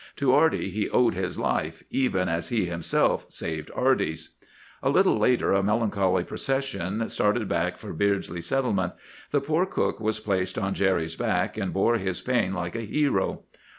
To Arty he owed his life, even as he had himself saved Arty's. "A little later a melancholy procession started back for Beardsley Settlement. The poor cook was placed on Jerry's back, and bore his pain like a hero.